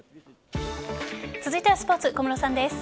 続いてはスポーツ小室さんです。